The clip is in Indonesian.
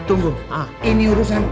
tunggu ini urusan